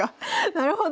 なるほど。